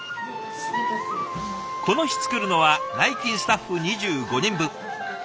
この日作るのは内勤スタッフ２５人分。